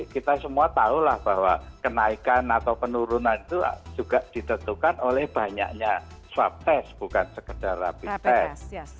kita semua tahulah bahwa kenaikan atau penurunan itu juga ditentukan oleh banyaknya swab test bukan sekedar rapid test